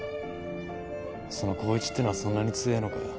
その光一ってのはそんなに強えのか。